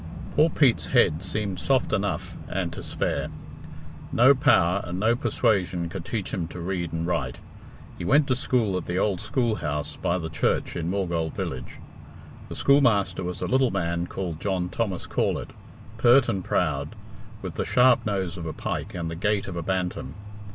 Poor Pete's head seemed soft enough and to spare. No power and no persuasion could teach him to read and write. He went to school at the old schoolhouse by the church in Maughold village. The schoolmaster was a little man called John Thomas Corlett, pert and proud, with the sharp nose of a pike and the gait of a bantam.